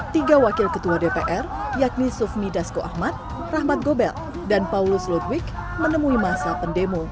tiga wakil ketua dpr yakni sufmi dasko ahmad rahmat gobel dan paulus ludwig menemui masa pendemo